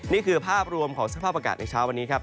นี่คือภาพรวมของสภาพอากาศในเช้าวันนี้ครับ